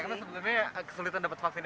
karena sebenarnya kesulitan dapat vaksin ya bu ya